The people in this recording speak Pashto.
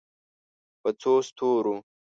په څو ستورو